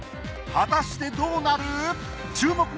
果たしてどうなる？